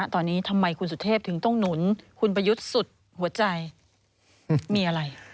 ตอนนี้ทำไมคุณสุเทพถึงต้องหนุนคุณประยุทธ์สุดหัวใจมีอะไร